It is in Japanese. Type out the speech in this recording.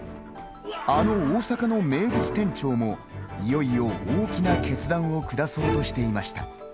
あの大阪の名物店長もいよいよ大きな決断を下そうとしていました。